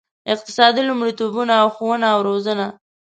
اقتصادي لومړیتوبونه او ښوونه او روزنه.